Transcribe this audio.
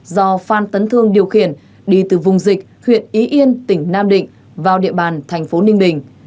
do phan tấn thương điều khiển đi từ vùng dịch huyện ý yên tỉnh nam định vào địa bàn thành phố ninh bình